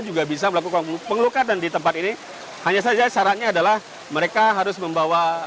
juga bisa melakukan pengelukatan di tempat ini hanya saja syaratnya adalah mereka harus membawa